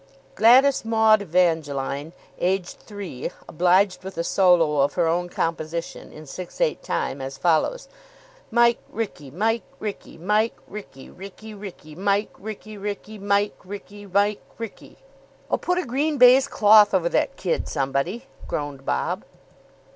Gladys Maud Evangeline, aged three, obliged with a solo of her own composition, in six eight time, as follows: "Mike Wryky. Mike Wryky. Mike Wryke Wryke Wryke Mike Wryke Wryke Mike Wryke Mike Wryke." "Oh, put a green baize cloth over that kid, somebody," groaned Bob.